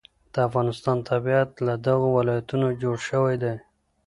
د افغانستان طبیعت له دغو ولایتونو جوړ شوی دی.